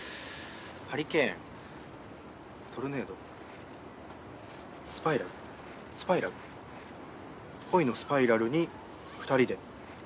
ハリケーントルネードスパイラルスパイラル恋のスパイラルに２人で。